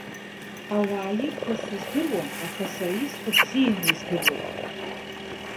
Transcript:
Ауаа ирҳәаз сыздыруам, аха сара исҳәо бзианы издыруеит.